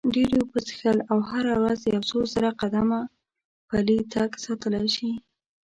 ډېرې اوبه څښل او هره ورځ یو څو زره قدمه پلی تګ ساتلی شي.